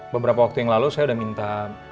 beberapa waktu yang lalu saya sudah minta